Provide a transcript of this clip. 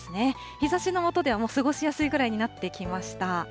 日ざしの下では過ごしやすいぐらいになってきました。